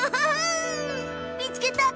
見つけた。